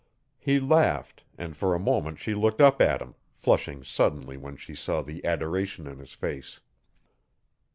He laughed, and for a moment she looked up at him, flushing suddenly when she saw the adoration in his face.